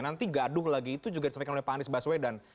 nanti gaduh lagi itu juga disampaikan oleh pak anies baswedan